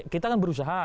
kita kan berusaha